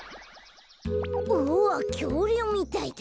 おぉきょうりゅうみたいだ。